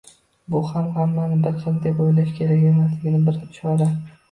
Bu ham hammani bir xil deb oʻylash kerak emasligiga bir ishora.